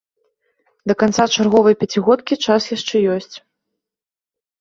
Да канца чарговай пяцігодкі час яшчэ ёсць.